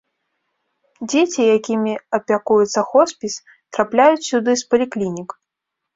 Дзеці, якімі апякуецца хоспіс, трапляюць сюды з паліклінік.